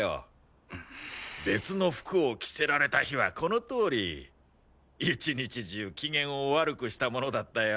別の服を着せられた日はこのとおり一日中機嫌を悪くしたものだったよ。